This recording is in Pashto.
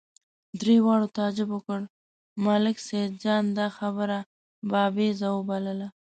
درې واړو تعجب وکړ، ملک سیدجان دا خبره بابېزه وبلله.